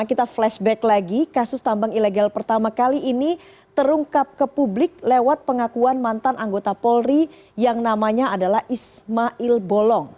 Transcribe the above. kita flashback lagi kasus tambang ilegal pertama kali ini terungkap ke publik lewat pengakuan mantan anggota polri yang namanya adalah ismail bolong